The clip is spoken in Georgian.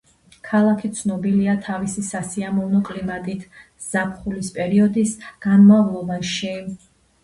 ქალაქი ცნობილია თავისი სასიამოვნო კლიმატით ზაფხულის პერიოდის განმავლობაში.